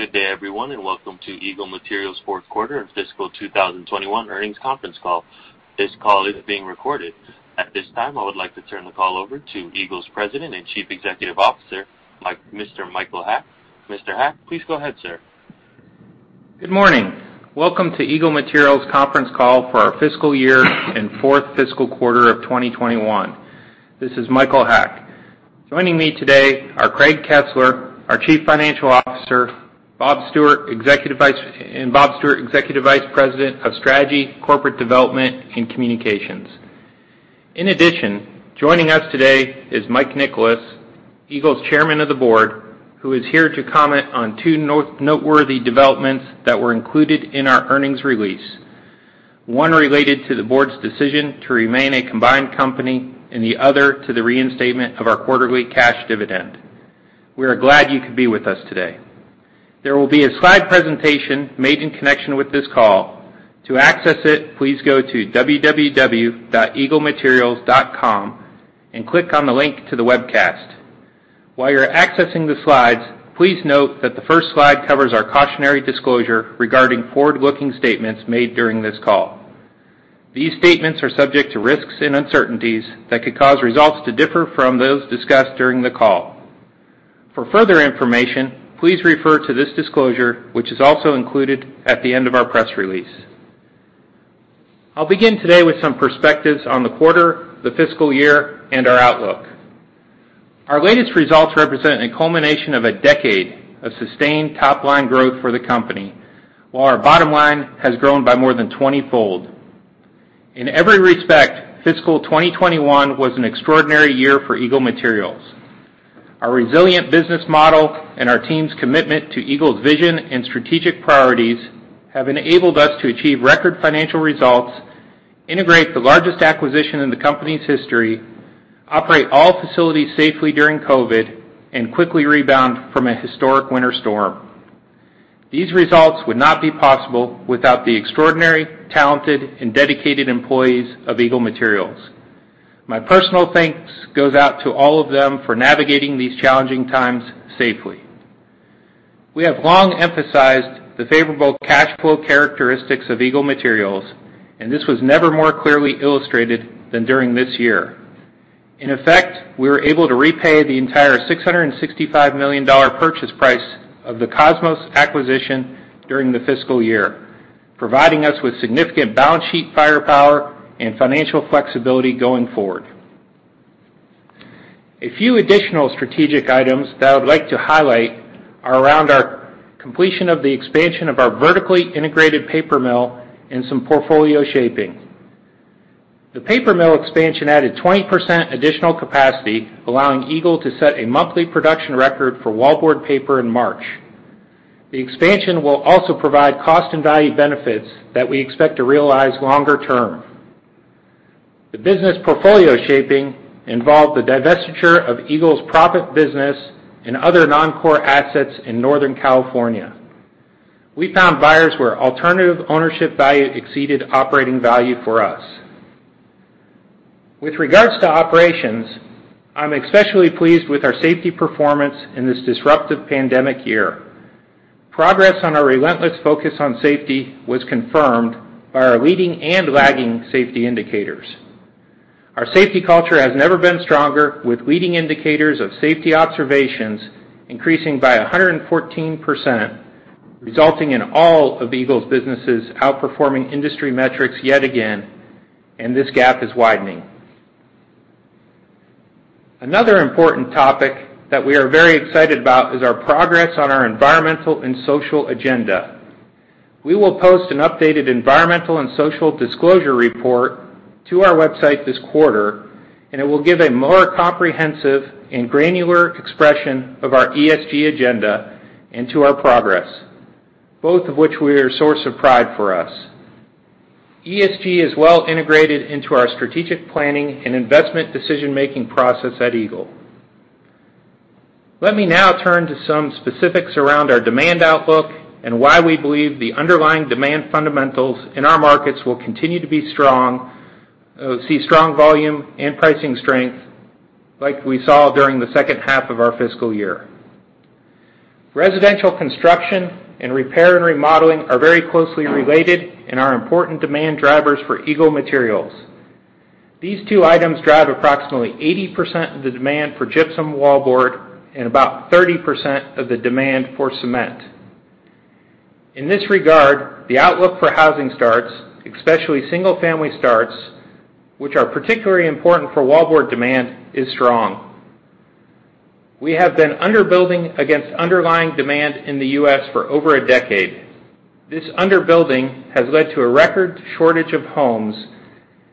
Good day, everyone, welcome to Eagle Materials' fourth quarter of fiscal 2021 earnings conference call. This call is being recorded. At this time, I would like to turn the call over to Eagle's President and Chief Executive Officer, Mr. Michael Haack. Mr. Haack, please go ahead, sir. Good morning. Welcome to Eagle Materials' conference call for our fiscal year and fourth fiscal quarter of 2021. This is Michael Haack. Joining me today are Craig Kesler, our Chief Financial Officer, and Robert Stewart, Executive Vice President of Strategy, Corporate Development, and Communications. In addition, joining us today is Mike Nicolais, Eagle's Chairman of the Board, who is here to comment on two noteworthy developments that were included in our earnings release, one related to the board's decision to remain a combined company, and the other to the reinstatement of our quarterly cash dividend. We are glad you could be with us today. There will be a slide presentation made in connection with this call. To access it, please go to www.eaglematerials.com and click on the link to the webcast. While you're accessing the slides, please note that the first slide covers our cautionary disclosure regarding forward-looking statements made during this call. These statements are subject to risks and uncertainties that could cause results to differ from those discussed during the call. For further information, please refer to this disclosure, which is also included at the end of our press release. I'll begin today with some perspectives on the quarter, the fiscal year, and our outlook. Our latest results represent a culmination of a decade of sustained top-line growth for the company. While our bottom line has grown by more than 20-fold. In every respect, fiscal 2021 was an extraordinary year for Eagle Materials. Our resilient business model and our team's commitment to Eagle's vision and strategic priorities have enabled us to achieve record financial results, integrate the largest acquisition in the company's history, operate all facilities safely during COVID, and quickly rebound from a historic winter storm. These results would not be possible without the extraordinary, talented, and dedicated employees of Eagle Materials. My personal thanks goes out to all of them for navigating these challenging times safely. We have long emphasized the favorable cash flow characteristics of Eagle Materials, and this was never more clearly illustrated than during this year. In effect, we were able to repay the entire $665 million purchase price of the Kosmos acquisition during the fiscal year, providing us with significant balance sheet firepower and financial flexibility going forward. A few additional strategic items that I would like to highlight are around our completion of the expansion of our vertically integrated paper mill and some portfolio shaping. The paper mill expansion added 20% additional capacity, allowing Eagle to set a monthly production record for wallboard paper in March. The expansion will also provide cost and value benefits that we expect to realize longer-term. The business portfolio shaping involved the divestiture of Eagle's proppants business and other non-core assets in Northern California. We found buyers where alternative ownership value exceeded operating value for us. With regards to operations, I'm especially pleased with our safety performance in this disruptive pandemic year. Progress on our relentless focus on safety was confirmed by our leading and lagging safety indicators. Our safety culture has never been stronger, with leading indicators of safety observations increasing by 114%, resulting in all of Eagle's businesses outperforming industry metrics yet again. This gap is widening. Another important topic that we are very excited about is our progress on our environmental and social agenda. We will post an updated environmental and social disclosure report to our website this quarter. It will give a more comprehensive and granular expression of our ESG agenda into our progress, both of which we are a source of pride for us. ESG is well integrated into our strategic planning and investment decision-making process at Eagle. Let me now turn to some specifics around our demand outlook and why we believe the underlying demand fundamentals in our markets will continue to see strong volume and pricing strength like we saw during the second half of our fiscal year. Residential construction and repair and remodeling are very closely related and are important demand drivers for Eagle Materials. These two items drive approximately 80% of the demand for gypsum wallboard and about 30% of the demand for cement. In this regard, the outlook for housing starts, especially single-family starts, which are particularly important for wallboard demand, is strong. We have been under-building against underlying demand in the U.S. for over a decade. This under-building has led to a record shortage of homes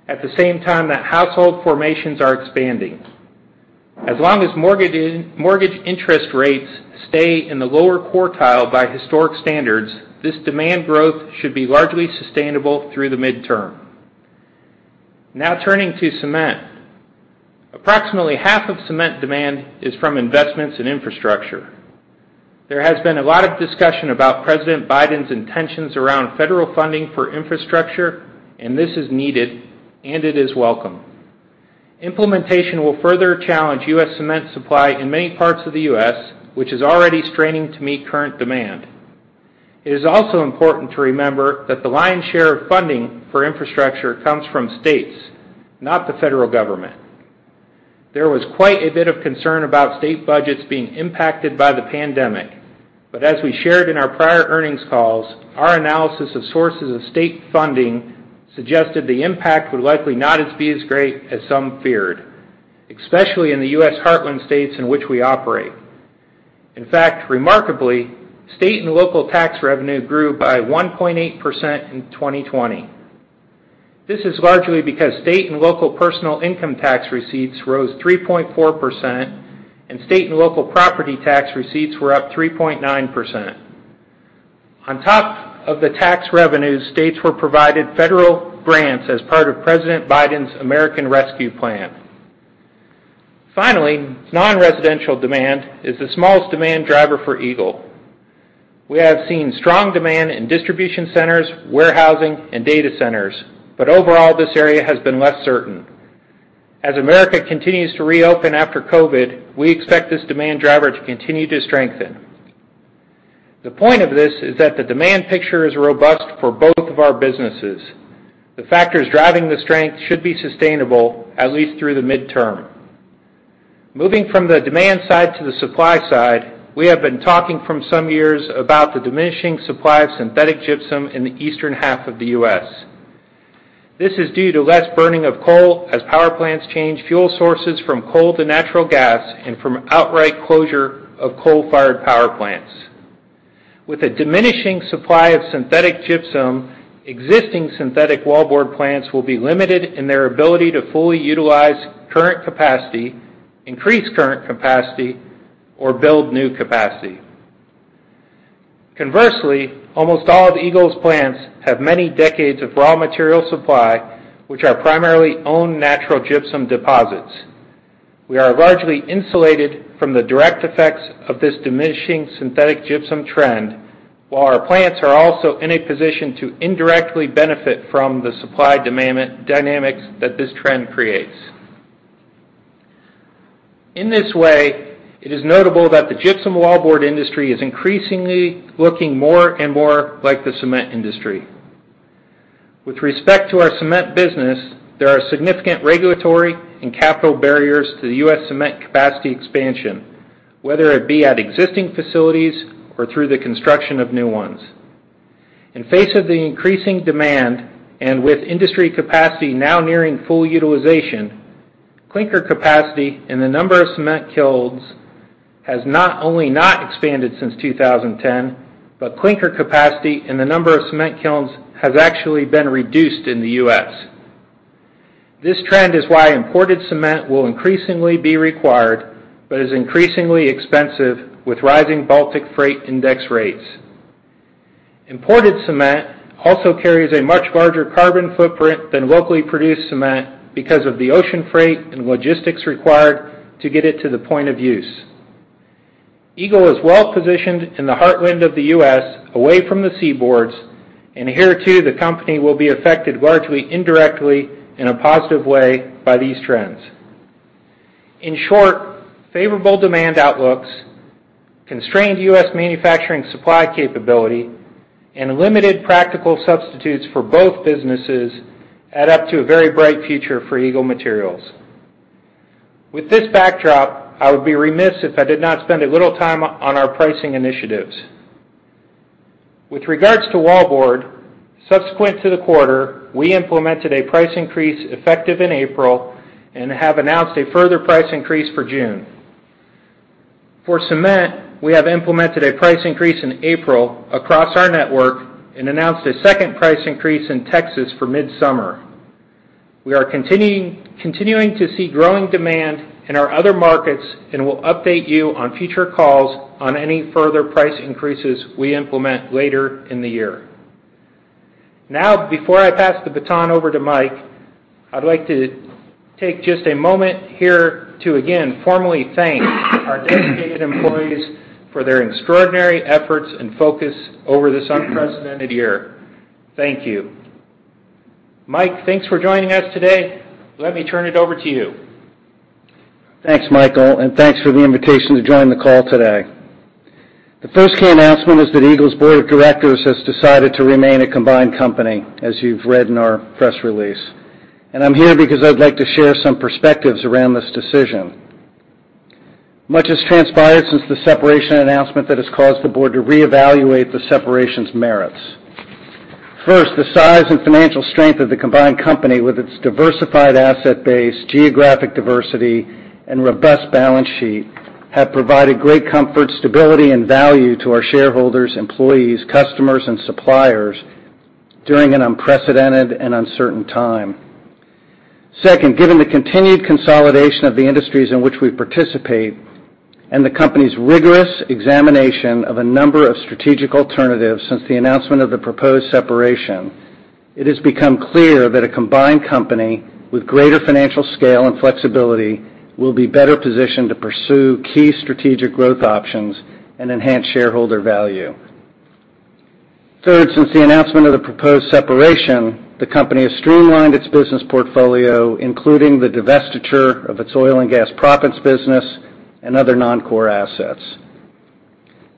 at the same time that household formations are expanding. As long as mortgage interest rates stay in the lower quartile by historic standards, this demand growth should be largely sustainable through the midterm. Now turning to cement. Approximately half of cement demand is from investments in infrastructure. There has been a lot of discussion about President Biden's intentions around federal funding for infrastructure, and this is needed, and it is welcome. Implementation will further challenge U.S. cement supply in many parts of the U.S., which is already straining to meet current demand. It is also important to remember that the lion's share of funding for infrastructure comes from states, not the federal government. There was quite a bit of concern about state budgets being impacted by the pandemic, but as we shared in our prior earnings calls, our analysis of sources of state funding suggested the impact would likely not be as great as some feared, especially in the U.S. heartland states in which we operate. In fact, remarkably, state and local tax revenue grew by 1.8% in 2020. This is largely because state and local personal income tax receipts rose 3.4%, and state and local property tax receipts were up 3.9%. On top of the tax revenues, states were provided federal grants as part of President Biden's American Rescue Plan. Finally, non-residential demand is the smallest demand driver for Eagle. We have seen strong demand in distribution centers, warehousing, and data centers, but overall, this area has been less certain. As America continues to reopen after COVID, we expect this demand driver to continue to strengthen. The point of this is that the demand picture is robust for both of our businesses. The factors driving the strength should be sustainable, at least through the midterm. Moving from the demand side to the supply side, we have been talking for some years about the diminishing supply of synthetic gypsum in the eastern half of the U.S. This is due to less burning of coal as power plants change fuel sources from coal to natural gas and from outright closure of coal-fired power plants. With a diminishing supply of synthetic gypsum, existing synthetic wallboard plants will be limited in their ability to fully utilize current capacity, increase current capacity, or build new capacity. Conversely, almost all of Eagle's plants have many decades of raw material supply, which are primarily owned natural gypsum deposits. We are largely insulated from the direct effects of this diminishing synthetic gypsum trend, while our plants are also in a position to indirectly benefit from the supply dynamics that this trend creates. In this way, it is notable that the gypsum wallboard industry is increasingly looking more and more like the cement industry. With respect to our Cement business, there are significant regulatory and capital barriers to U.S. cement capacity expansion, whether it be at existing facilities or through the construction of new ones. In face of the increasing demand, and with industry capacity now nearing full utilization, clinker capacity and the number of cement kilns has not only not expanded since 2010, but clinker capacity and the number of cement kilns has actually been reduced in the U.S. This trend is why imported cement will increasingly be required but is increasingly expensive with rising Baltic Freight Index rates. Imported cement also carries a much larger carbon footprint than locally produced cement because of the ocean freight and logistics required to get it to the point of use. Eagle is well-positioned in the heartland of the U.S., away from the seaboards, and here, too, the company will be affected largely indirectly in a positive way by these trends. In short, favorable demand outlooks, constrained U.S. manufacturing supply capability, and limited practical substitutes for both businesses add up to a very bright future for Eagle Materials. With this backdrop, I would be remiss if I did not spend a little time on our pricing initiatives. With regards to Wallboard, subsequent to the quarter, we implemented a price increase effective in April and have announced a further price increase for June. For cement, we have implemented a price increase in April across our network and announced a second price increase in Texas for midsummer. We are continuing to see growing demand in our other markets and will update you on future calls on any further price increases we implement later in the year. Before I pass the baton over to Mike, I'd like to take just a moment here to again formally thank our dedicated employees for their extraordinary efforts and focus over this unprecedented year. Thank you. Mike, thanks for joining us today. Let me turn it over to you. Thanks, Michael, and thanks for the invitation to join the call today. The first key announcement is that Eagle's Board of Directors has decided to remain a combined company, as you've read in our press release. I'm here because I'd like to share some perspectives around this decision. Much has transpired since the separation announcement that has caused the board to reevaluate the separation's merits. First, the size and financial strength of the combined company with its diversified asset base, geographic diversity, and robust balance sheet have provided great comfort, stability, and value to our shareholders, employees, customers, and suppliers during an unprecedented and uncertain time. Second, given the continued consolidation of the industries in which we participate and the company's rigorous examination of a number of strategic alternatives since the announcement of the proposed separation, it has become clear that a combined company with greater financial scale and flexibility will be better positioned to pursue key strategic growth options and enhance shareholder value. Third, since the announcement of the proposed separation, the company has streamlined its business portfolio, including the divestiture of its oil and gas proppants business and other non-core assets.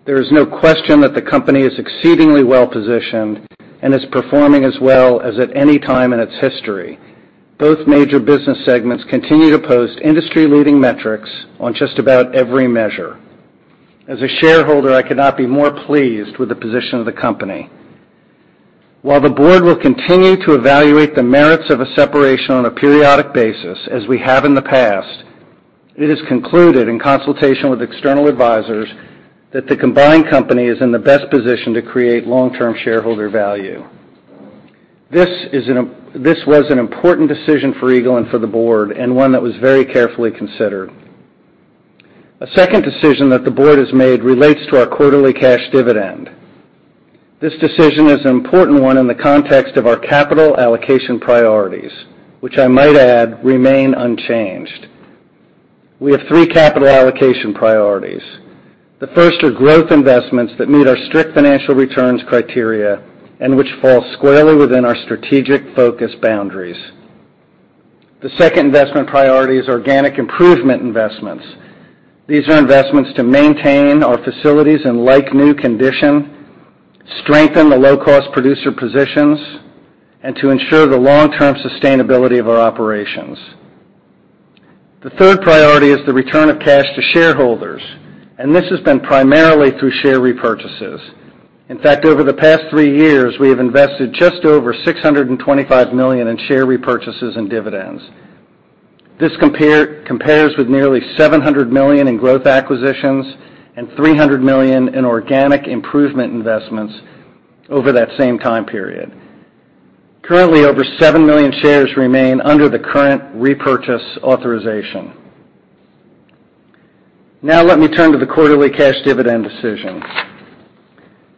There is no question that the company is exceedingly well-positioned and is performing as well as at any time in its history. Both major business segments continue to post industry-leading metrics on just about every measure. As a shareholder, I could not be more pleased with the position of the company. While the Board will continue to evaluate the merits of a separation on a periodic basis, as we have in the past, it is concluded in consultation with external advisors that the combined company is in the best position to create long-term shareholder value. This was an important decision for Eagle and for the Board, and one that was very carefully considered. A second decision that the Board has made relates to our quarterly cash dividend. This decision is an important one in the context of our capital allocation priorities, which I might add, remain unchanged. We have three capital allocation priorities. The first are growth investments that meet our strict financial returns criteria and which fall squarely within our strategic focus boundaries. The second investment priority is organic improvement investments. These are investments to maintain our facilities in like-new condition, strengthen the low-cost producer positions, and to ensure the long-term sustainability of our operations. The third priority is the return of cash to shareholders, and this has been primarily through share repurchases. In fact, over the past three years, we have invested just over $625 million in share repurchases and dividends. This compares with nearly $700 million in growth acquisitions and $300 million in organic improvement investments over that same time period. Currently, over 7 million shares remain under the current repurchase authorization. Now let me turn to the quarterly cash dividend decision.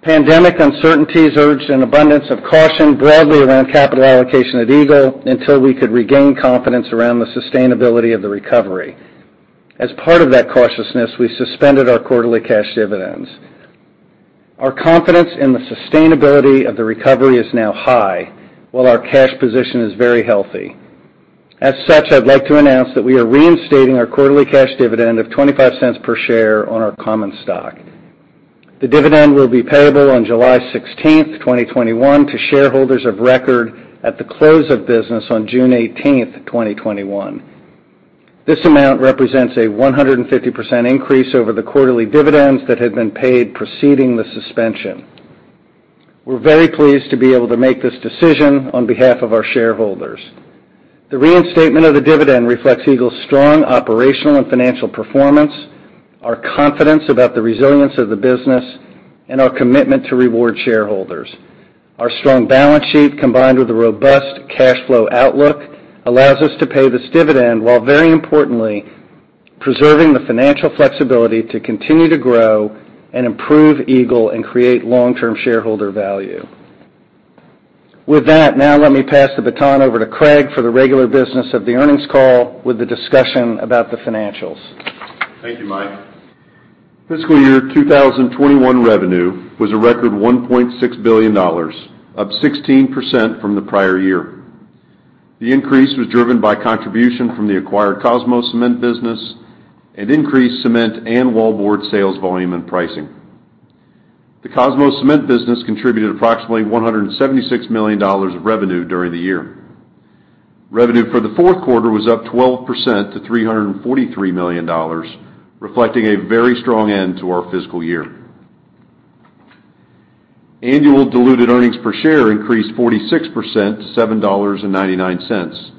Pandemic uncertainties urged an abundance of caution broadly around capital allocation at Eagle until we could regain confidence around the sustainability of the recovery. As part of that cautiousness, we suspended our quarterly cash dividends. Our confidence in the sustainability of the recovery is now high, while our cash position is very healthy. As such, I'd like to announce that we are reinstating our quarterly cash dividend of $0.25 per share on our common stock. The dividend will be payable on July 16th, 2021 to shareholders of record at the close of business on June 18th, 2021. This amount represents a 150% increase over the quarterly dividends that had been paid preceding the suspension. We're very pleased to be able to make this decision on behalf of our shareholders. The reinstatement of the dividend reflects Eagle's strong operational and financial performance, our confidence about the resilience of the business, and our commitment to reward shareholders. Our strong balance sheet, combined with a robust cash flow outlook, allows us to pay this dividend while very importantly preserving the financial flexibility to continue to grow and improve Eagle and create long-term shareholder value. With that, now let me pass the baton over to Craig for the regular business of the earnings call with the discussion about the financials. Thank you, Mike. Fiscal year 2021 revenue was a record $1.6 billion, up 16% from the prior year. The increase was driven by contribution from the acquired Kosmos Cement business and increased Cement and Wallboard sales volume and pricing. The Kosmos Cement business contributed approximately $176 million of revenue during the year. Revenue for the fourth quarter was up 12% to $343 million, reflecting a very strong end to our fiscal year. Annual diluted earnings per share increased 46% to $7.99,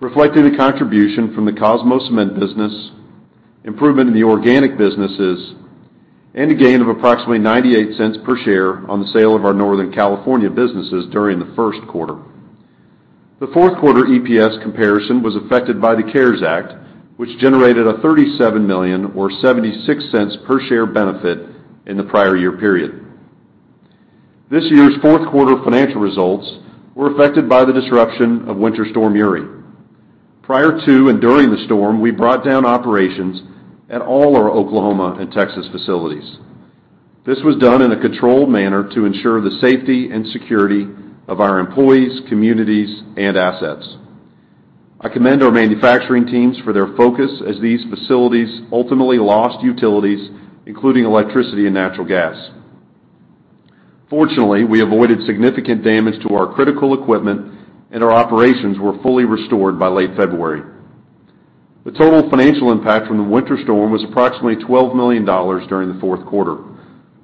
reflecting the contribution from the Kosmos Cement business, improvement in the organic businesses, and a gain of approximately $0.98 per share on the sale of our Northern California businesses during the first quarter. The fourth quarter EPS comparison was affected by the CARES Act, which generated a $37 million or $0.76 per share benefit in the prior year period. This year's fourth quarter financial results were affected by the disruption of Winter Storm Uri. Prior to and during the storm, we brought down operations at all our Oklahoma and Texas facilities. This was done in a controlled manner to ensure the safety and security of our employees, communities, and assets. I commend our manufacturing teams for their focus as these facilities ultimately lost utilities, including electricity and natural gas. Fortunately, we avoided significant damage to our critical equipment, and our operations were fully restored by late February. The total financial impact from the winter storm was approximately $12 million during the fourth quarter.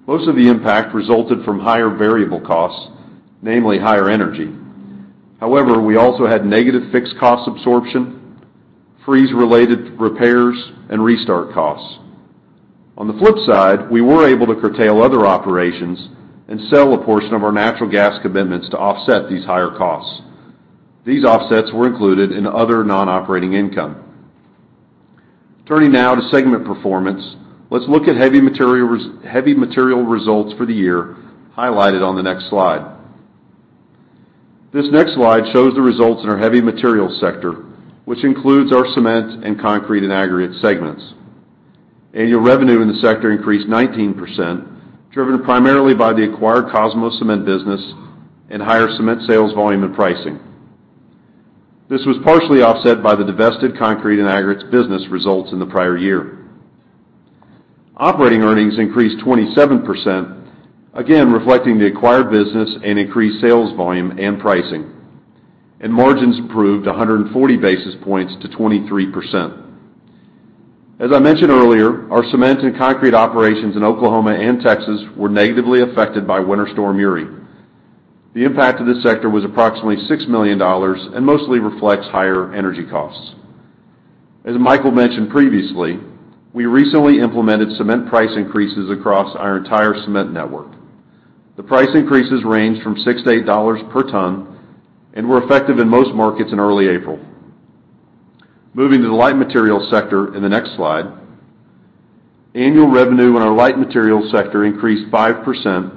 Most of the impact resulted from higher variable costs, namely higher energy. However, we also had negative fixed cost absorption, freeze-related repairs, and restart costs. On the flip side, we were able to curtail other operations and sell a portion of our natural gas commitments to offset these higher costs. These offsets were included in other non-operating income. Turning now to segment performance, let's look at heavy material results for the year highlighted on the next slide. This next slide shows the results in our heavy materials sector, which includes our cement and concrete and aggregate segments. Annual revenue in the sector increased 19%, driven primarily by the acquired Kosmos Cement business and higher cement sales volume and pricing. This was partially offset by the divested concrete and aggregates business results in the prior year. Operating earnings increased 27%, again reflecting the acquired business and increased sales volume and pricing. Margins improved 140 basis points to 23%. As I mentioned earlier, our cement and concrete operations in Oklahoma and Texas were negatively affected by Winter Storm Uri. The impact of this sector was approximately $6 million and mostly reflects higher energy costs. As Michael mentioned previously, we recently implemented cement price increases across our entire cement network. The price increases range from $6 to $8 per ton and were effective in most markets in early April. Moving to the light materials sector in the next slide. Annual revenue in our light materials sector increased 5%,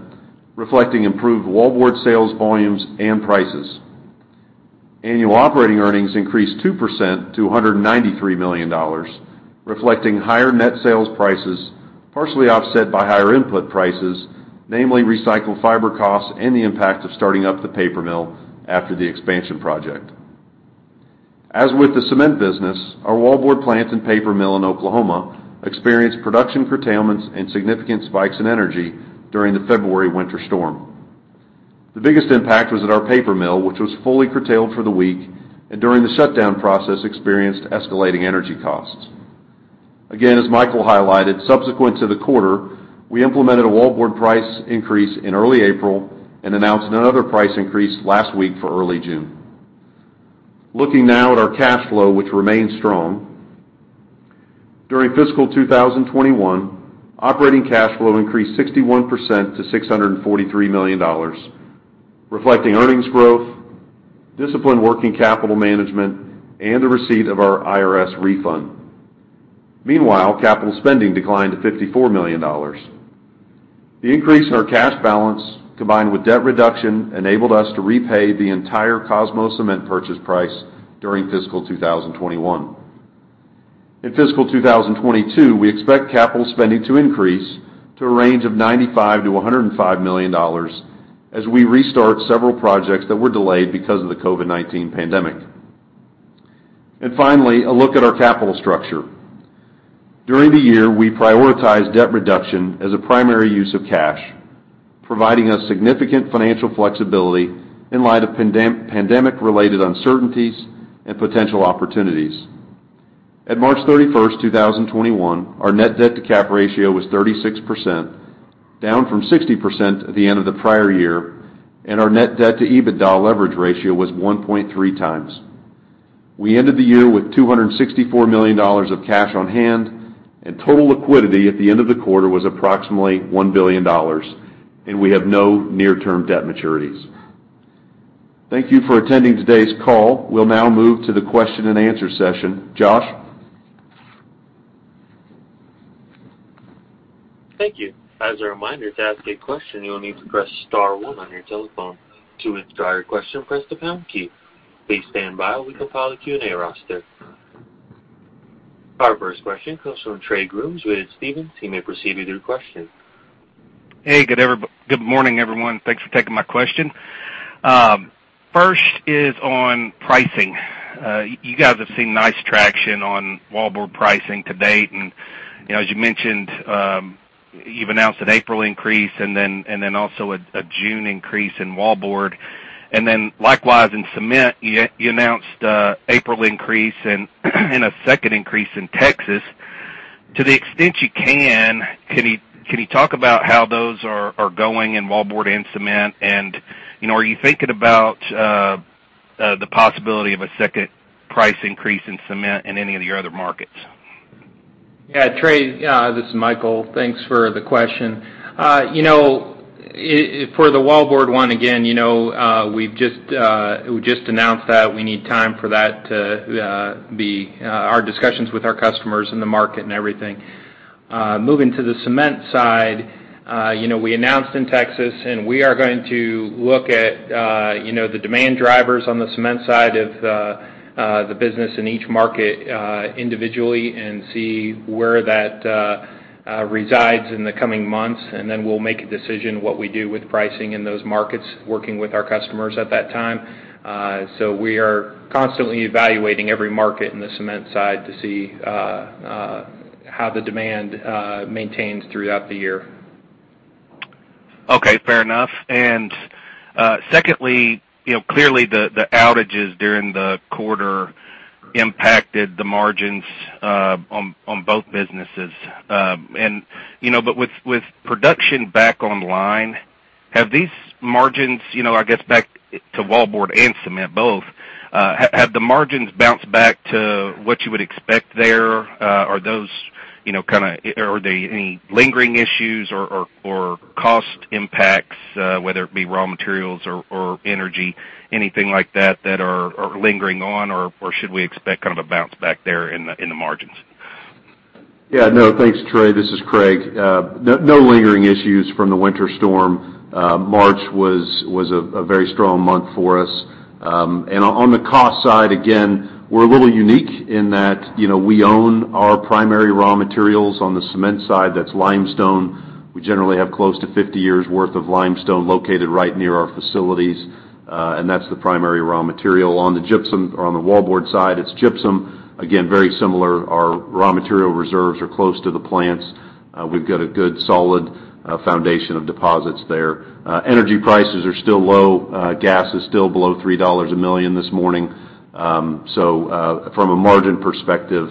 reflecting improved Wallboard sales volumes and prices. Annual operating earnings increased 2% to $193 million, reflecting higher net sales prices, partially offset by higher input prices, namely recycled fiber costs and the impact of starting up the paper mill after the expansion project. As with the Cement business, our wallboard plant and paper mill in Oklahoma experienced production curtailments and significant spikes in energy during Winter Storm Uri. The biggest impact was at our paper mill, which was fully curtailed for the week, and during the shutdown process, experienced escalating energy costs. Again, as Michael highlighted, subsequent to the quarter, we implemented a wallboard price increase in early April and announced another price increase last week for early June. Looking now at our cash flow, which remains strong. During fiscal 2021, operating cash flow increased 61% to $643 million, reflecting earnings growth, disciplined working capital management, and the receipt of our IRS refund. Meanwhile, capital spending declined to $54 million. The increase in our cash balance, combined with debt reduction, enabled us to repay the entire Kosmos Cement purchase price during fiscal 2021. In fiscal 2022, we expect capital spending to increase to a range of $95 million-$105 million as we restart several projects that were delayed because of the COVID-19 pandemic. Finally, a look at our capital structure. During the year, we prioritized debt reduction as a primary use of cash, providing us significant financial flexibility in light of pandemic-related uncertainties and potential opportunities. At March 31st, 2021, our net debt to capitalization ratio was 36%, down from 60% at the end of the prior year, and our net debt to EBITDA leverage ratio was 1.3x. We ended the year with $264 million of cash on hand, and total liquidity at the end of the quarter was approximately $1 billion, and we have no near-term debt maturities. Thank you for attending today's call. We'll now move to the question and answer session. Josh? Thank you. As a reminder, to ask a question, you'll need to press star one on your telephone. To restart your question, press the pound key. Please stand by while we compile Q&A roster. Our first question comes from Trey Grooms with Stephens. You may proceed with your question. Hey, good morning, everyone. Thanks for taking my question. First is on pricing. You guys have seen nice traction on Wallboard pricing to date, and as you mentioned, you've announced an April increase and then also a June increase in Wallboard. Likewise in Cement, you announced an April increase and a second increase in Texas. To the extent you can you talk about how those are going in Wallboard and Cement, and are you thinking about the possibility of a second price increase in cement in any of your other markets? Trey, this is Michael. Thanks for the question. For the Wallboard one, again, we just announced that. We need time for our discussions with our customers in the market and everything. Moving to the cement side, we announced in Texas, and we are going to look at the demand drivers on the cement side of the business in each market individually and see where that resides in the coming months, and then we'll make a decision what we do with pricing in those markets, working with our customers at that time. We are constantly evaluating every market in the cement side to see how the demand maintains throughout the year. Okay, fair enough. Secondly, clearly the outages during the quarter impacted the margins on both businesses. With production back online, I guess back to Wallboard and Cement both, have the margins bounced back to what you would expect there? Are there any lingering issues or cost impacts, whether it be raw materials or energy, anything like that that are lingering on, or should we expect kind of a bounce back there in the margins? Yeah, no, thanks, Trey. This is Craig. No lingering issues from the winter storm. March was a very strong month for us. On the cost side, again, we're a little unique in that we own our primary raw materials. On the cement side, that's limestone. We generally have close to 50 years' worth of limestone located right near our facilities, and that's the primary raw material. On the gypsum or on the Wallboard side, it's gypsum. Again, very similar. Our raw material reserves are close to the plants. We've got a good, solid foundation of deposits there. Energy prices are still low. Gas is still below $3 a million this morning. From a margin perspective,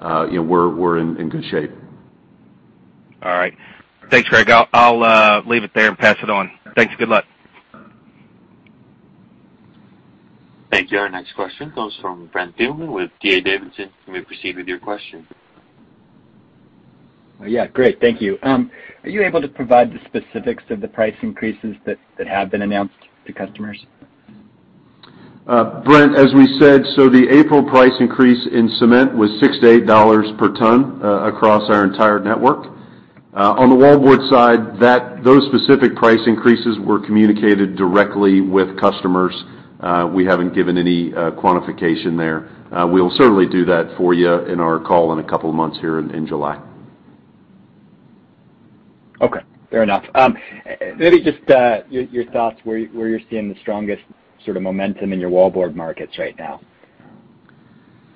we're in good shape. All right. Thanks, Craig. I'll leave it there and pass it on. Thanks. Good luck. Thank you. Our next question comes from Brent Thielman with D.A. Davidson. You may proceed with your question. Yeah, great. Thank you. Are you able to provide the specifics of the price increases that have been announced to customers? Brent, as we said, the April price increase in cement was $6-$8 per ton across our entire network. On the Wallboard side, those specific price increases were communicated directly with customers. We haven't given any quantification there. We'll certainly do that for you in our call in a couple of months here in July. Okay. Fair enough. Maybe just your thoughts where you're seeing the strongest sort of momentum in your Wallboard markets right now?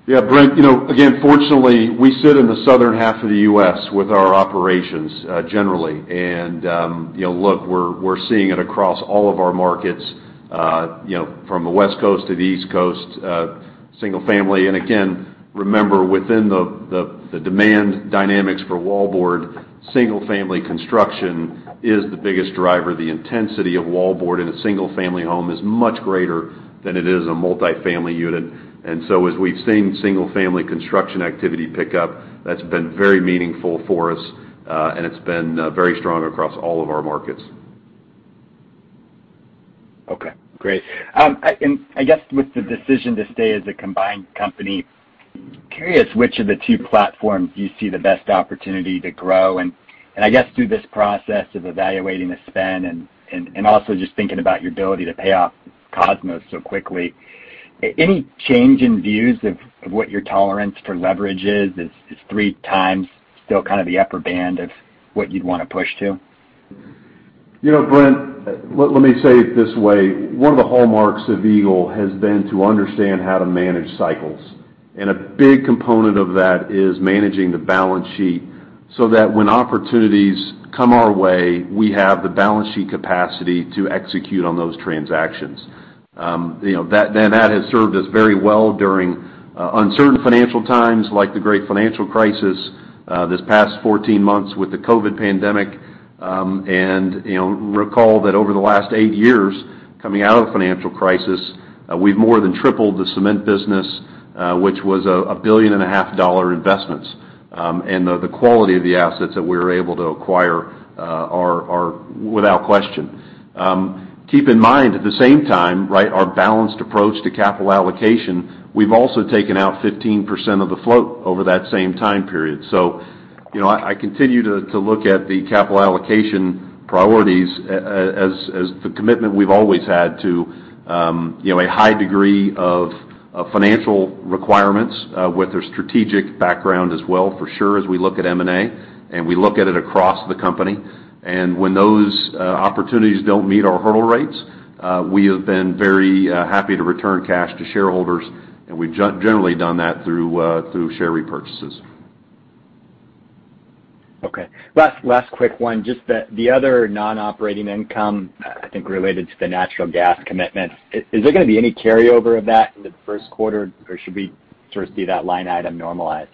Yeah, Brent, again, fortunately, we sit in the southern half of the U.S. with our operations, generally. Look, we're seeing it across all of our markets from the West Coast to the East Coast, single-family. Again, remember, within the demand dynamics for wallboard, single-family construction is the biggest driver. The intensity of wallboard in a single-family home is much greater than it is in a multi-family unit. As we've seen single-family construction activity pick up, that's been very meaningful for us, and it's been very strong across all of our markets. I guess with the decision to stay as a combined company, curious which of the two platforms you see the best opportunity to grow? I guess through this process of evaluating the spend and also just thinking about your ability to pay off Kosmos so quickly, any change in views of what your tolerance for leverage is? Is three times still kind of the upper band of what you'd want to push to? Brent, let me say it this way. One of the hallmarks of Eagle Materials has been to understand how to manage cycles. A big component of that is managing the balance sheet so that when opportunities come our way, we have the balance sheet capacity to execute on those transactions. That has served us very well during uncertain financial times like the great financial crisis, this past 14 months with the COVID-19 pandemic. Recall that over the last eight years, coming out of the financial crisis, we've more than tripled the cement business, which was a billion and a half dollar investments. The quality of the assets that we were able to acquire are without question. Keep in mind, at the same time, our balanced approach to capital allocation, we've also taken out 15% of the float over that same time period. I continue to look at the capital allocation priorities as the commitment we've always had to a high degree of financial requirements with their strategic background as well, for sure, as we look at M&A, and we look at it across the company. When those opportunities don't meet our hurdle rates, we have been very happy to return cash to shareholders, and we've generally done that through share repurchases. Okay. Last quick one. Just the other non-operating income, I think related to the natural gas commitment. Is there going to be any carryover of that in the first quarter, or should we sort of see that line item normalized?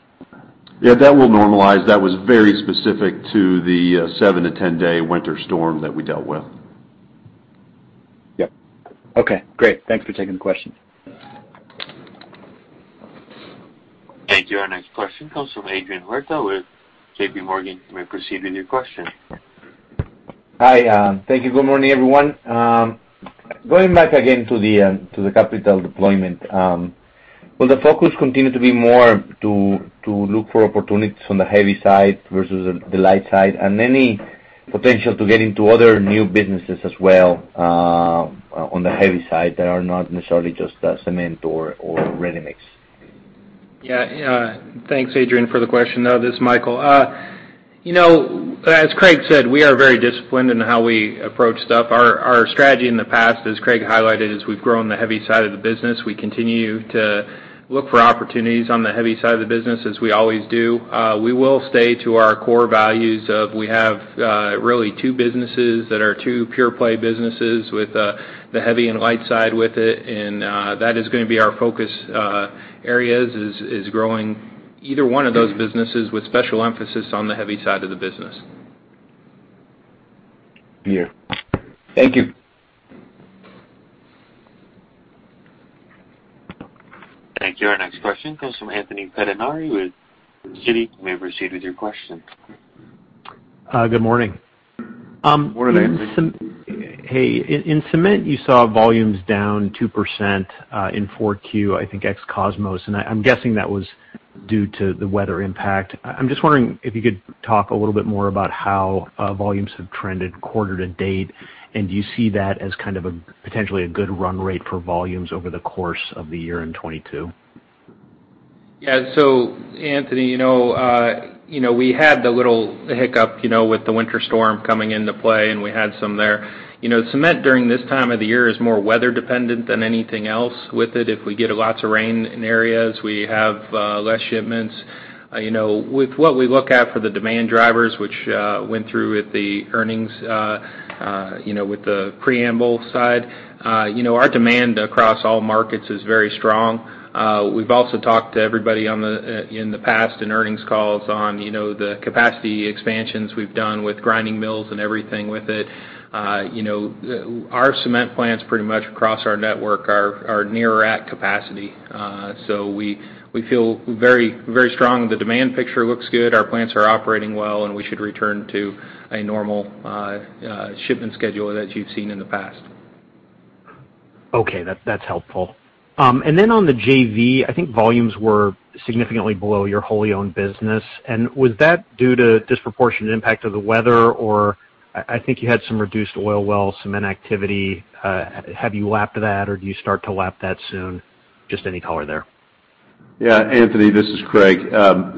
That will normalize. That was very specific to the 7-10-day Winter Storm that we dealt with. Yep. Okay, great. Thanks for taking the question. Thank you. Our next question comes from Adrian Huerta with JPMorgan. You may proceed with your question. Hi. Thank you. Good morning, everyone. Going back again to the capital deployment. Will the focus continue to be more to look for opportunities on the heavy side versus the light side? Any potential to get into other new businesses as well on the heavy side that are not necessarily just cement or ready-mix? Yeah. Thanks, Adrian, for the question, though. This is Michael. As Craig said, we are very disciplined in how we approach stuff. Our strategy in the past, as Craig highlighted, is we've grown the heavy side of the business. We continue to look for opportunities on the heavy side of the business as we always do. We will stay to our core values of we have really two businesses that are two pure play businesses with the heavy and light side with it, and that is going to be our focus areas, is growing either one of those businesses with special emphasis on the heavy side of the business. Yeah. Thank you. Thank you. Our next question comes from Anthony Pettinari with Citi. You may proceed with your question. Good morning. Morning, Anthony. Hey. In Cement, you saw volumes down 2% in 4Q, I think ex-Kosmos, and I'm guessing that was due to the weather impact. I'm just wondering if you could talk a little bit more about how volumes have trended quarter-to-date, and do you see that as potentially a good run rate for volumes over the course of the year in 2022? Yeah. Anthony, we had the little hiccup with the winter storm coming into play, and we had some there. Cement during this time of the year is more weather dependent than anything else with it. If we get lots of rain in areas, we have less shipments. With what we look at for the demand drivers, which went through with the earnings with the preamble side, our demand across all markets is very strong. We've also talked to everybody in the past, in earnings calls, on the capacity expansions we've done with grinding mills and everything with it. Our cement plants pretty much across our network are near or at capacity. We feel very strong. The demand picture looks good, our plants are operating well, and we should return to a normal shipment schedule as you've seen in the past. Okay. That's helpful. Then on the JV, I think volumes were significantly below your wholly owned business. Was that due to disproportionate impact of the weather, or I think you had some reduced oil well cement activity. Have you lapped that or do you start to lap that soon? Just any color there. Yeah, Anthony, this is Craig.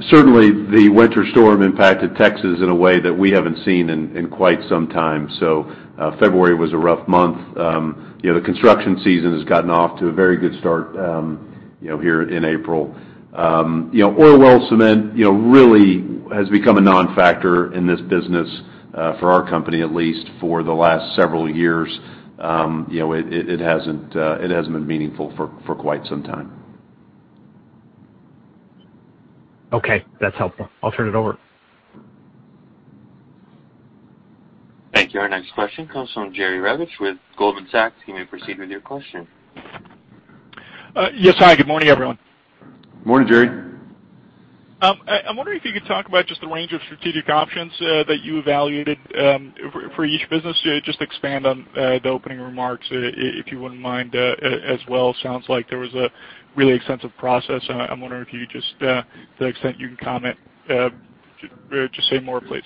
Certainly, Winter Storm Uri impacted Texas in a way that we haven't seen in quite some time. February was a rough month. The construction season has gotten off to a very good start here in April. Oil well cement really has become a non-factor in this business, for our company at least, for the last several years. It hasn't been meaningful for quite some time. Okay. That's helpful. I'll turn it over. Thank you. Our next question comes from Jerry Revich with Goldman Sachs. You may proceed with your question. Yes. Hi, good morning, everyone. Morning, Jerry. I'm wondering if you could talk about just the range of strategic options that you evaluated for each business? Just expand on the opening remarks, if you wouldn't mind as well. Sounds like there was a really extensive process. I'm wondering if you just, to the extent you can comment, just say more, please?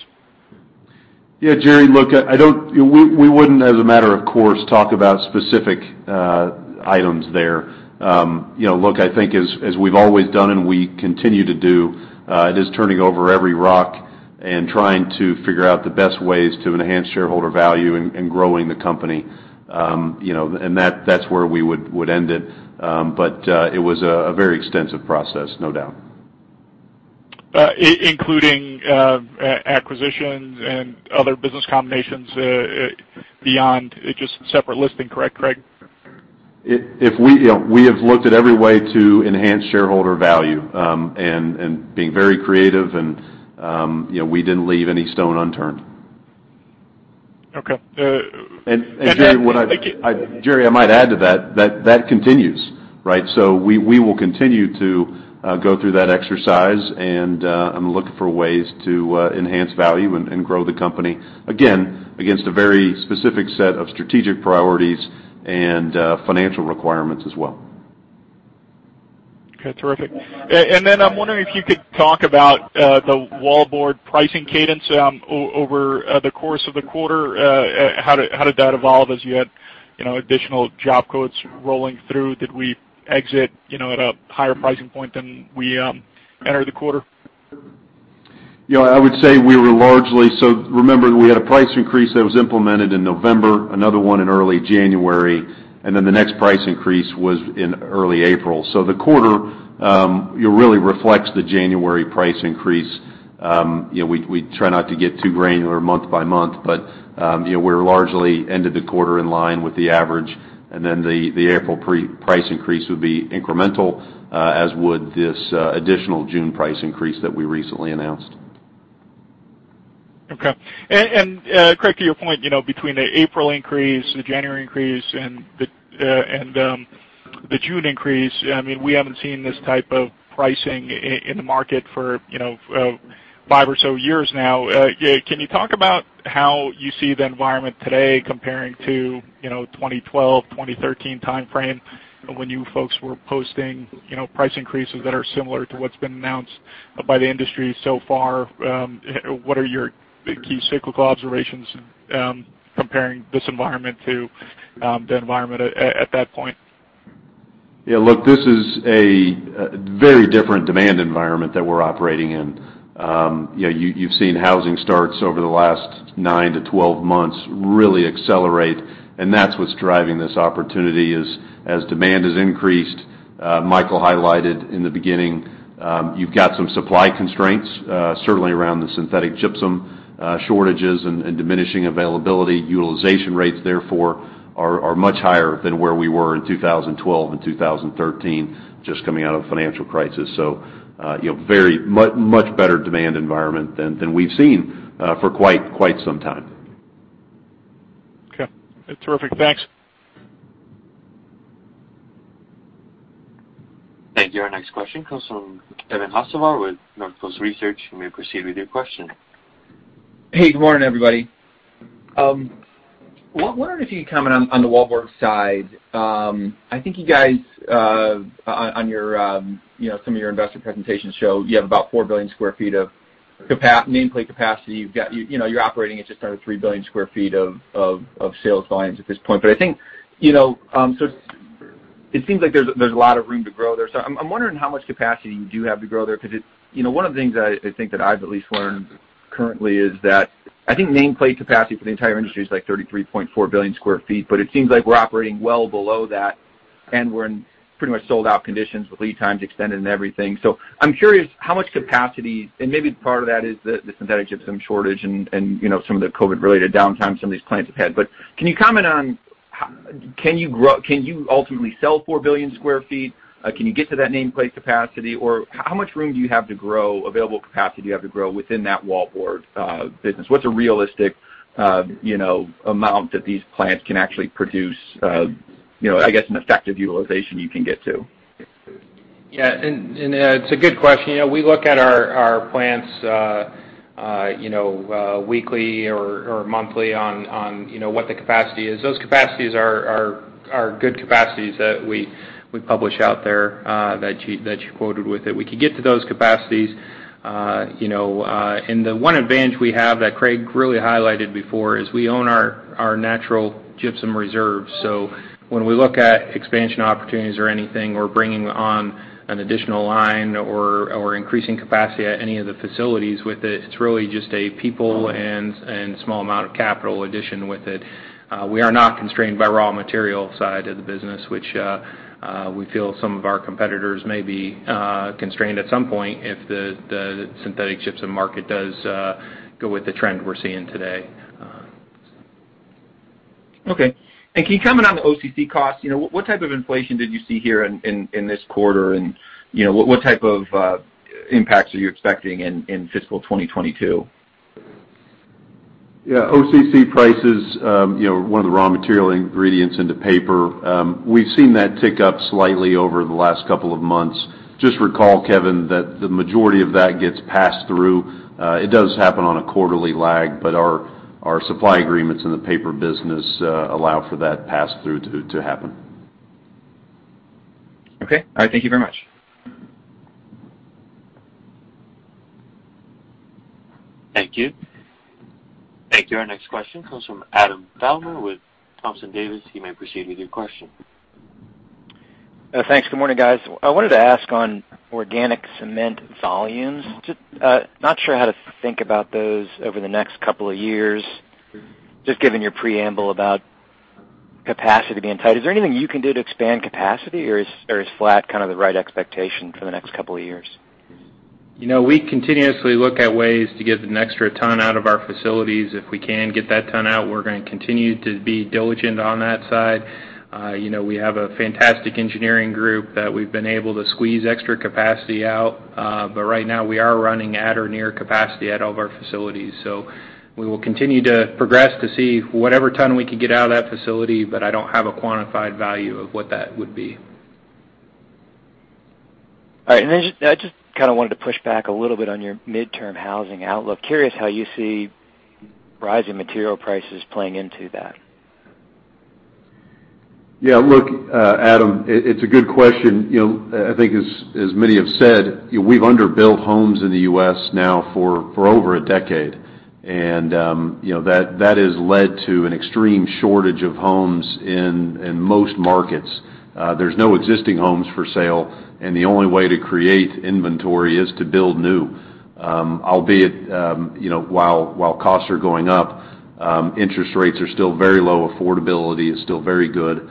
Yeah, Jerry, look, we wouldn't, as a matter of course, talk about specific items there. Look, I think as we've always done and we continue to do, it is turning over every rock and trying to figure out the best ways to enhance shareholder value and growing the company. That's where we would end it. It was a very extensive process, no doubt. Including acquisitions and other business combinations beyond just separate listing, correct, Craig? We have looked at every way to enhance shareholder value, and being very creative, and we didn't leave any stone unturned. Okay. Jerry, I might add to that continues, right? We will continue to go through that exercise and look for ways to enhance value and grow the company, again, against a very specific set of strategic priorities and financial requirements as well. Okay, terrific. I'm wondering if you could talk about the Wallboard pricing cadence over the course of the quarter. How did that evolve as you had additional job quotes rolling through? Did we exit at a higher pricing point than we entered the quarter? Remember, we had a price increase that was implemented in November, another one in early January, the next price increase was in early April. The quarter really reflects the January price increase. We try not to get too granular month by month, but we largely ended the quarter in line with the average, the April price increase would be incremental, as would this additional June price increase that we recently announced. Okay. Craig, to your point, between the April increase, the January increase, and the June increase, we haven't seen this type of pricing in the market for five or so years now. Can you talk about how you see the environment today comparing to 2012, 2013 timeframe when you folks were posting price increases that are similar to what's been announced by the industry so far? What are your key cyclical observations comparing this environment to the environment at that point? Look, this is a very different demand environment that we're operating in. You've seen housing starts over the last 9-12 months really accelerate, and that's what's driving this opportunity is as demand has increased, Michael highlighted in the beginning, you've got some supply constraints certainly around the synthetic gypsum shortages and diminishing availability. Utilization rates, therefore, are much higher than where we were in 2012 and 2013, just coming out of the financial crisis. Much better demand environment than we've seen for quite some time. Okay. Terrific. Thanks. Thank you. Our next question comes from Kevin Hocevar with Northcoast Research. You may proceed with your question. Hey, good morning, everybody. I wonder if you could comment on the Wallboard side. I think you guys, on some of your investor presentations, show you have about 4 billion sq ft of nameplate capacity. You're operating at just under 3 billion sq ft of sales volumes at this point. I think, it seems like there's a lot of room to grow there. I'm wondering how much capacity you do have to grow there, because one of the things I think that I've at least learned currently is that I think nameplate capacity for the entire industry is like 33.4 billion sq ft. It seems like we're operating well below that, and we're in pretty much sold-out conditions with lead times extended and everything. I'm curious how much capacity, and maybe part of that is the synthetic gypsum shortage and some of the COVID-related downtime some of these plants have had. Can you comment on can you ultimately sell 4 billion square feet? Can you get to that nameplate capacity? How much room do you have to grow, available capacity do you have to grow within that Wallboard business? What's a realistic amount that these plants can actually produce, I guess an effective utilization you can get to? Yeah. It's a good question. We look at our plants weekly or monthly on what the capacity is. Those capacities are good capacities that we publish out there, that you quoted with it. We can get to those capacities. The one advantage we have that Craig really highlighted before is we own our natural gypsum reserves. When we look at expansion opportunities or anything, or bringing on an additional line or increasing capacity at any of the facilities with it's really just a people and small amount of capital addition with it. We are not constrained by raw material side of the business, which we feel some of our competitors may be constrained at some point if the synthetic gypsum market does go with the trend we're seeing today. Okay. Can you comment on the OCC costs? What type of inflation did you see here in this quarter, and what type of impacts are you expecting in fiscal 2022? Yeah, OCC prices, one of the raw material ingredients into paper, we've seen that tick up slightly over the last couple of months. Just recall, Kevin, that the majority of that gets passed through. It does happen on a quarterly lag, but our supply agreements in the paper business allow for that pass-through to happen. Okay. All right. Thank you very much. Thank you. Thank you. Our next question comes from Adam Thalhimer with Thompson Davis. You may proceed with your question. Thanks. Good morning, guys. I wanted to ask on organic cement volumes. Just not sure how to think about those over the next couple of years, just given your preamble about capacity being tight. Is there anything you can do to expand capacity, or is flat kind of the right expectation for the next couple of years? We continuously look at ways to get an extra ton out of our facilities. If we can get that ton out, we're going to continue to be diligent on that side. We have a fantastic engineering group that we've been able to squeeze extra capacity out. Right now, we are running at or near capacity at all of our facilities. We will continue to progress to see whatever ton we can get out of that facility, but I don't have a quantified value of what that would be. All right. I just kind of wanted to push back a little bit on your midterm housing outlook. I'm curious how you see rising material prices playing into that. Yeah. Look, Adam Thalhimer, it's a good question. I think as many have said, we've underbuilt homes in the U.S. now for over a decade, that has led to an extreme shortage of homes in most markets. There's no existing homes for sale, the only way to create inventory is to build new. Albeit, while costs are going up, interest rates are still very low, affordability is still very good,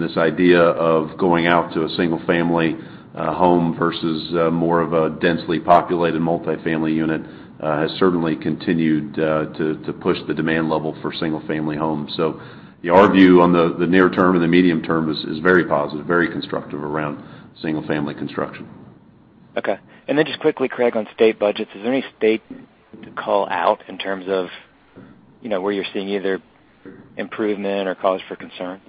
this idea of going out to a single family home versus more of a densely populated multifamily unit has certainly continued to push the demand level for single family homes. The view on the near term and the medium term is very positive, very constructive around single family construction. Okay. Just quickly, Craig, on state budgets, is there any state to call out in terms of where you're seeing either improvement or cause for concern?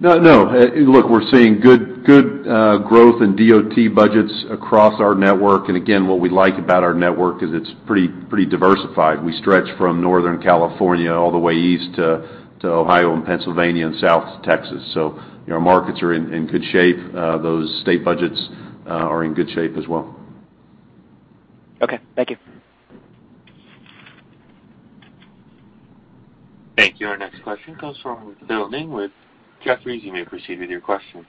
No. Look, we're seeing good growth in DOT budgets across our network. Again, what we like about our network is it's pretty diversified. We stretch from Northern California all the way east to Ohio and Pennsylvania, and south to Texas. Our markets are in good shape. Those state budgets are in good shape as well. Okay. Thank you. Thank you. Our next question comes from Philip Ng with Jefferies. You may proceed with your question.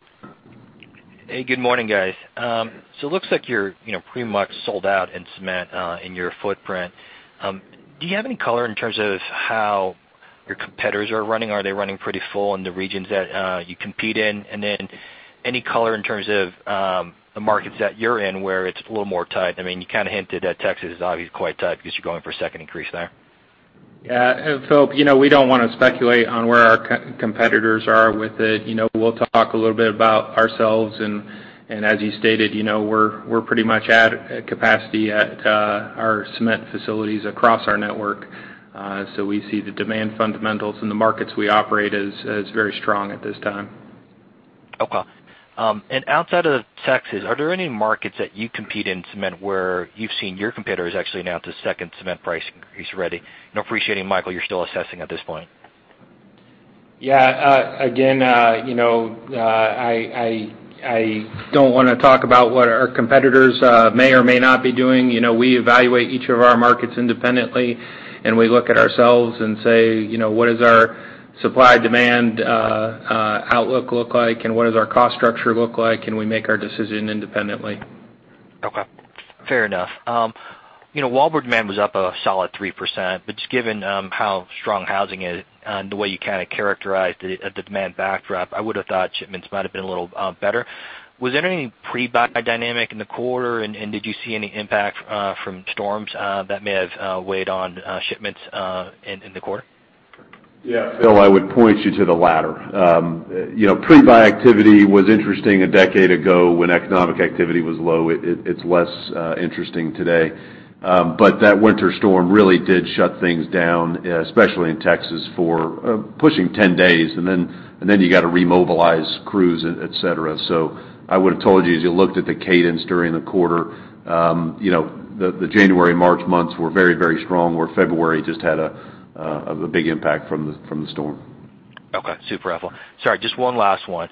Hey, good morning, guys. It looks like you're pretty much sold out in cement in your footprint. Do you have any color in terms of how your competitors are running? Are they running pretty full in the regions that you compete in? Then any color in terms of the markets that you're in where it's a little more tight? You kind of hinted that Texas is obviously quite tight because you're going for a second increase there. Yeah. Phil, we don't want to speculate on where our competitors are with it. We'll talk a little bit about ourselves, and as you stated, we're pretty much at capacity at our cement facilities across our network. We see the demand fundamentals in the markets we operate as very strong at this time. Okay. Outside of Texas, are there any markets that you compete in cement where you've seen your competitors actually announce a second cement price increase already? Appreciating Michael, you assessing this one. Yeah. Again, I don't want to talk about what our competitors may or may not be doing. We evaluate each of our markets independently, and we look at ourselves and say, "What is our supply-demand outlook look like, and what does our cost structure look like?" We make our decision independently. Okay. Fair enough. While margins were up about a solid 3%, just given how strong housing is and the way you characterized the demand backdrop, I would have thought wallboard shipments might have been a little better. Was there any pre-buy dynamic in the quarter, and did you see any impact from storms that may have weighed on shipments in the quarter? Yeah, Phil, I would point you to the latter. Pre-buy activity was interesting a decade ago when economic activity was low. It's less interesting today. That Winter Storm Uri really did shut things down, especially in Texas, for pushing 10 days. You got to remobilize crews, et cetera. I would have told you, as you looked at the cadence during the quarter, the January-March months were very strong, where February just had a big impact from the storm. Okay. Super helpful. Sorry, just one last one.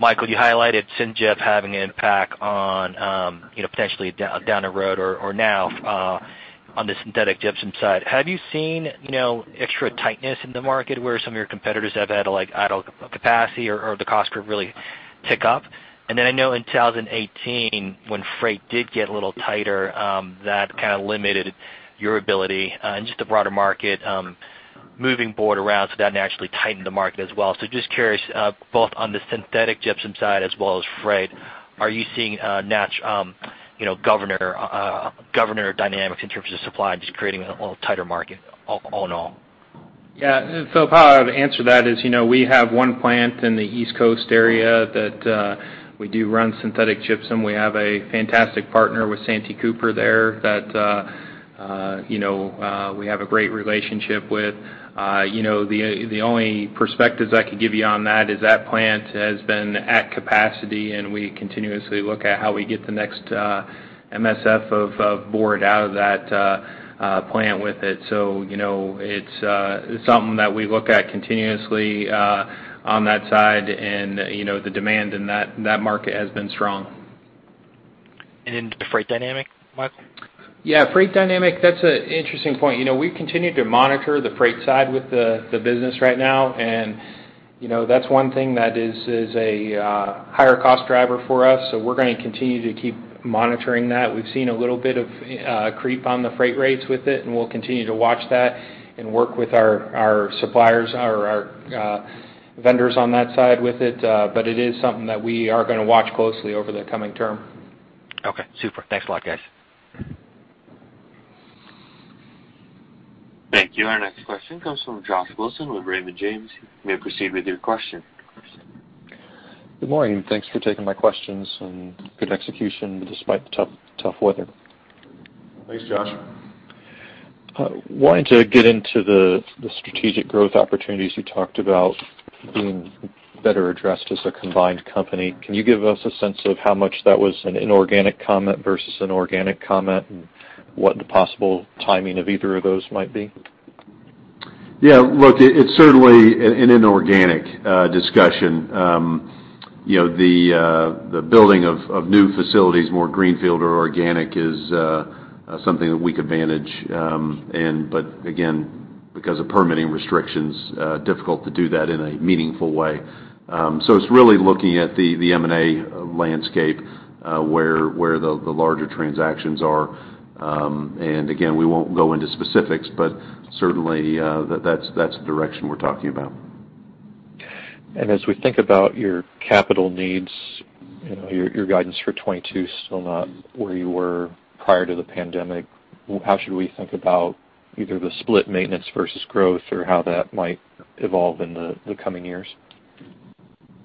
Michael, you highlighted syn gyps having an impact potentially down the road or now on the synthetic gypsum side. Have you seen extra tightness in the market where some of your competitors have had idle capacity or the cost curve really tick up? I know in 2018, when freight did get a little tighter, that kind of limited your ability and just the broader market, moving board around, so that naturally tightened the market as well. Just curious, both on the synthetic gypsum side as well as freight, are you seeing governor dynamics in terms of supply just creating a little tighter market all in all? Phil, how I would answer that is, we have one plant in the East Coast area that we do run synthetic gypsum. We have a fantastic partner with Santee Cooper there that we have a great relationship with. The only perspectives I could give you on that is that plant has been at capacity, and we continuously look at how we get the next MSF of board out of that plant with it. It's something that we look at continuously on that side, and the demand in that market has been strong. The freight dynamic, Michael? Yeah, freight dynamic, that's an interesting point. We continue to monitor the freight side with the business right now, and that's one thing that is a higher cost driver for us. We're going to continue to keep monitoring that. We've seen a little bit of a creep on the freight rates with it, and we'll continue to watch that and work with our suppliers, our vendors on that side with it. It is something that we are going to watch closely over the coming term. Okay. Super. Thanks a lot, guys. Thank you. Our next question comes from Josh Wilson with Raymond James. You may proceed with your question. Good morning. Thanks for taking my questions. Good execution despite the tough weather. Thanks, Josh. Wanted to get into the strategic growth opportunities you talked about being better addressed as a combined company. Can you give us a sense of how much that was an inorganic comment versus an organic comment, and what the possible timing of either of those might be? Yeah. Look, it's certainly an inorganic discussion. The building of new facilities, more greenfield or organic, is something that we could manage. Again, because of permitting restrictions, difficult to do that in a meaningful way. It's really looking at the M&A landscape where the larger transactions are. Again, we won't go into specifics, but certainly, that's the direction we're talking about. As we think about your capital needs, your guidance for 2022 is still not where you were prior to the pandemic. How should we think about either the split maintenance versus growth or how that might evolve in the coming years?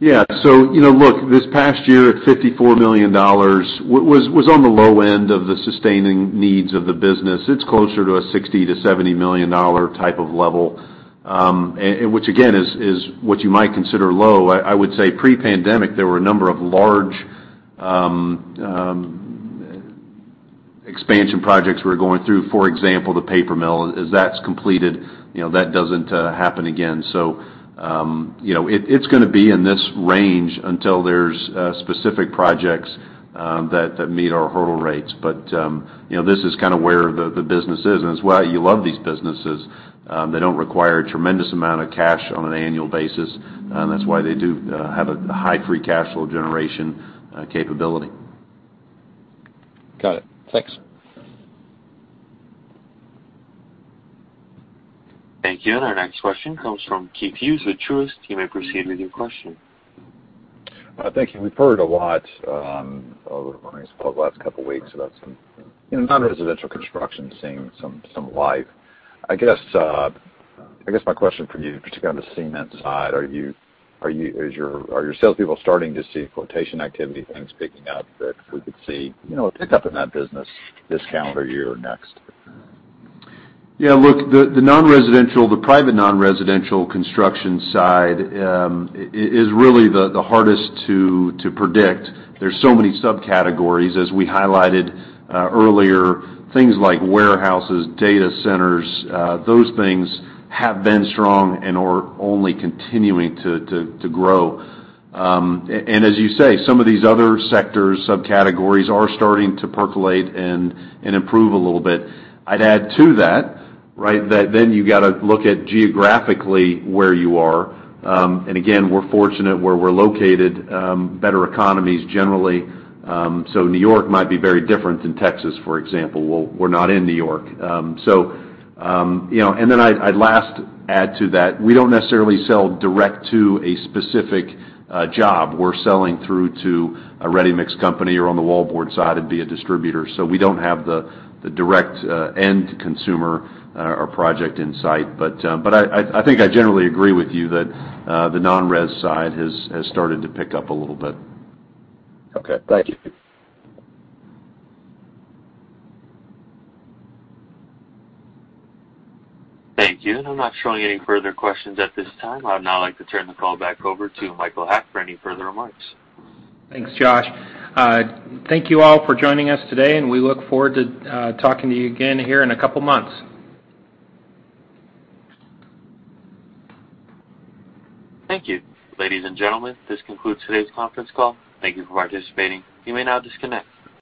Look, this past year at $54 million was on the low end of the sustaining needs of the business. It's closer to a $60 million-$70 million type of level, which again, is what you might consider low. I would say pre-pandemic, there were a number of large expansion projects we were going through. For example, the paper mill. As that's completed, that doesn't happen again. It's going to be in this range until there's specific projects that meet our hurdle rates. This is kind of where the business is, and it's why you love these businesses. They don't require a tremendous amount of cash on an annual basis. That's why they do have a high free cash flow generation capability. Got it. Thanks. Thank you. Our next question comes from Keith Hughes with Truist. You may proceed with your question. Thank you. We've heard a lot over the last couple of weeks about some non-residential construction seeing some life. I guess my question for you, particularly on the cement side, are your salespeople starting to see quotation activity, things picking up that we could see a pickup in that business this calendar year or next? The private non-residential construction side is really the hardest to predict. There are so many subcategories, as we highlighted earlier, things like warehouses, data centers, those things have been strong and are only continuing to grow. As you say, some of these other sectors, subcategories are starting to percolate and improve a little bit. I'd add to that then you got to look at geographically where you are. Again, we're fortunate where we're located, better economies generally. New York might be very different than Texas, for example. Well, we're not in New York. I'd last add to that, we don't necessarily sell direct to a specific job. We're selling through to a ready-mix company or on the Wallboard side, it'd be a distributor. We don't have the direct end consumer or project in sight. I think I generally agree with you that the non-res side has started to pick up a little bit. Okay. Thank you. Thank you. I'm not showing any further questions at this time. I would now like to turn the call back over to Michael Haack for any further remarks. Thanks, Josh. Thank you all for joining us today, and we look forward to talking to you again here in a couple of months. Thank you. Ladies and gentlemen, this concludes today's conference call. Thank you for participating. You may now disconnect.